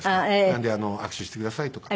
なので「握手してください」とか。